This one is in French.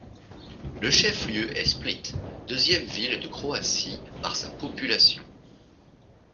Le chef-lieu est Split, deuxième ville de Croatie par sa population.